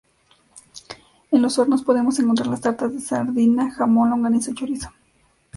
En los hornos podemos encontrar las tortas de sardina, jamón, longaniza o chorizo.